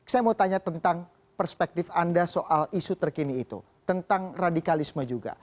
saya mau tanya tentang perspektif anda soal isu terkini itu tentang radikalisme juga